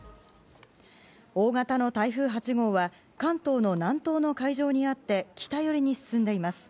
大型の台風８号は関東の南東の海上にあって北寄りに進んでいます。